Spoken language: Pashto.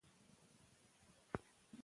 او دافرق په خپله ددي خبري دليل دى